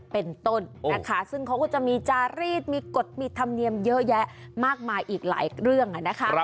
เป็นต้นนะคะซึ่งเขาก็จะมีจารีดมีกฎมีธรรมเนียมเยอะแยะมากมายอีกหลายเรื่องนะคะ